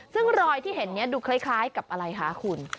ซึ่งรอยที่เห็นนี้ดูคล้ายกับอะไรคะคุณ